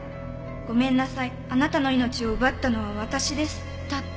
「“ごめんなさいあなたの命を奪ったのは私です”だって！」